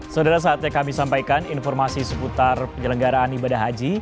saudara saatnya kami sampaikan informasi seputar penyelenggaraan ibadah haji